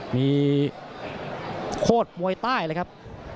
มีโคตรมวยใต้เลยครับ